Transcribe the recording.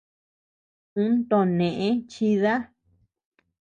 Un too nëe chida.